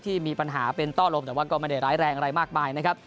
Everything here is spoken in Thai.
ที่มีปัญหาเป็นต้อลมแต่ว่าก็ไม่ได้ร้ายแรงอะไรมากมายนะครับ